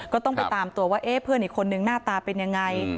ก็ต้องไปตามตัวว่าเอ๊ะเพื่อนอีกคนนึงหน้าตาเป็นยังไง